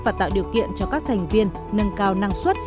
và tạo điều kiện cho các thành viên nâng cao năng suất